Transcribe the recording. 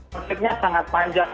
konfliknya sangat panjang